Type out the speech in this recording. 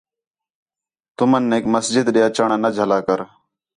تُمنیک مسجد ݙے اچݨ آ نہ جھلا کر